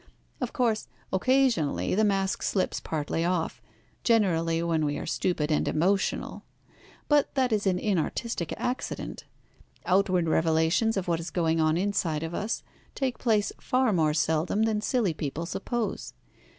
Of course occasionally the mask slips partly off, generally when we are stupid and emotional. But that is an inartistic accident. Outward revelations of what is going on inside of us take place far more seldom than silly people suppose.